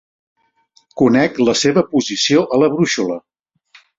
Conec la seva posició a la brúixola.